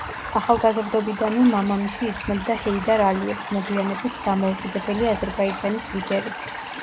ახალგაზრდობიდანვე მამამისი იცნობდა ჰეიდარ ალიევს, მოგვიანებით დამოუკიდებელი აზერბაიჯანის ლიდერი.